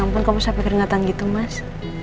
ampun kamu sampai keringatan gitu mas